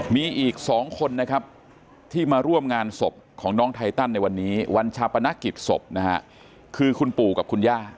มีอีก๒คนนะครับที่มาร่วมงานศพของน้องไทตันในวันนี้วันชาปนกิจศพนะฮะคือคุณปู่กับคุณย่า